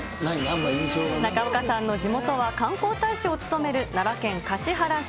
中岡さんの地元は観光大使を務める奈良県橿原市。